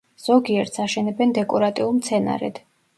ზოგიერთს აშენებენ დეკორატიულ მცენარედ.